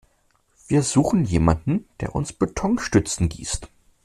Wir suchen jemanden, der uns Betonstützen gießt.